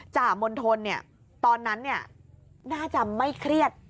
จ่ามณฑลตอนนั้นน่าจะไม่เครียด